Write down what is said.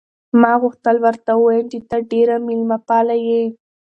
ما غوښتل ورته ووایم چې ته ډېره مېلمه پاله یې.